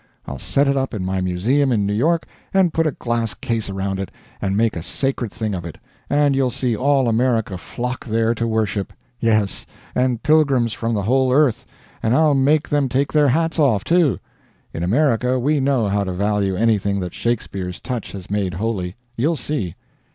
I'll set it up in my Museum in New York and put a glass case around it and make a sacred thing of it; and you'll see all America flock there to worship; yes, and pilgrims from the whole earth; and I'll make them take their hats off, too. In America we know how to value anything that Shakespeare's touch has made holy. You'll see."